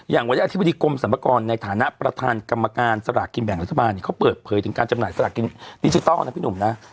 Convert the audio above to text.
อย่างวันนี้อธิบดีกรมสรรพากรในฐานะประธานกรรมการสลากกินแบ่งรัฐบาลเขาเปิดเผยถึงการจำหน่ายสลากกินดิจิทัลนะพี่หนุ่มนะ